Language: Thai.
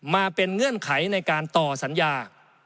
มาเป็นเงื่อนไขในการต่อสัญญา